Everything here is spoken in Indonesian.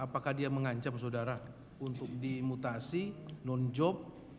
apakah dia mengancam saudara untuk dimutasi non job